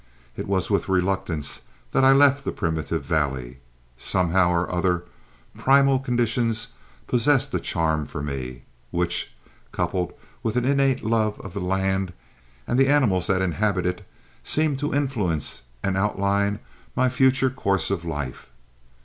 It was with reluctance that I left that primitive valley. Somehow or other, primal conditions possessed a charm for me which, coupled with an innate love of the land and the animals that inhabit it, seemed to influence and outline my future course of life.